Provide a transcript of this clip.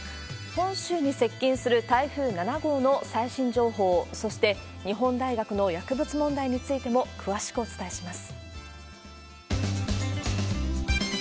本州に接近する台風７号の最新情報、そして、日本大学の薬物問題についても詳しくお伝えします。